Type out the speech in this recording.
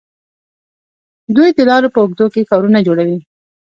دوی د لارو په اوږدو کې ښارونه جوړوي.